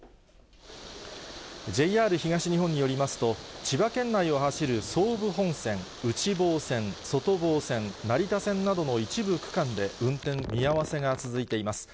ＪＲ東日本によりますと、千葉県内を走る総武本線、内房線、外房線、成田線などの一部区間で運転見合わせが続いています。